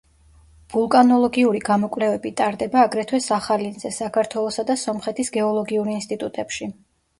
ვულკანოლოგიური გამოკვლევები ტარდება აგრეთვე სახალინზე, საქართველოსა და სომხეთის გეოლოგიურ ინსტიტუტებში.